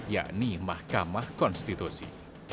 yakni mahkamah konstitusi